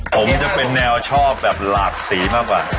ผมจะเป็นแนวชอบแบบหลากสีมากกว่า